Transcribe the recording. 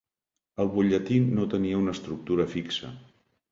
El butlletí no tenia una estructura fixa.